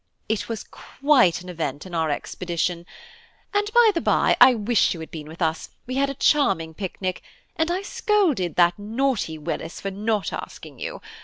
"It was quite an event in our expedition. And, by the bye, I wish you had been with us, we had a charming picnic, and I scolded that naughty Willis for not asking you.